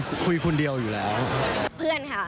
กุ๊บกิ๊บขอสงวนท่าที่ให้เวลาเป็นเครื่องที่สุดไปก่อน